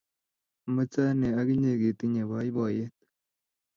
amoche ane ak inye ketinye boiboyee.